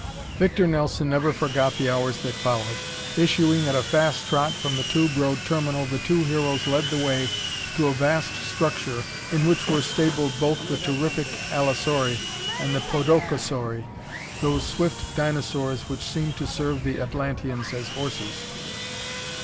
Victor Nelson never forgot the hours that followed. Issuing at a fast trot from the tube road terminal, the two Heroes led the way to a vast structure, in which were stabled both the terrific allosauri and the podokesauri, those swift dinosaurs which seemed to serve the Atlanteans as horses.